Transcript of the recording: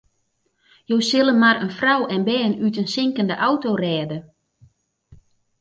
Jo sille mar in frou en bern út in sinkende auto rêde.